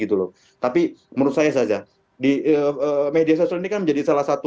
tapi menurut saya saza di media sosial ini kan menjadi salah satu